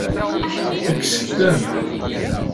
Kkset-ten.